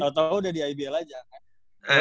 tau tau udah di ibl aja kan